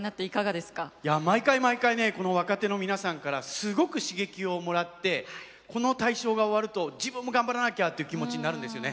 毎回毎回ねこの若手の皆さんからすごく刺激をもらってこの大賞が終わると自分も頑張らなきゃという気持ちになるんですよね。